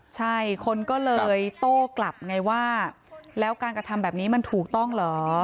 ใช่คนก็เลยโต้กลับไงว่าแล้วการกระทำแบบนี้มันถูกต้องเหรอ